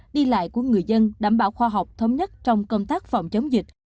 đi lại của người dân đảm bảo khoa học thống nhất trong công tác phòng chống dịch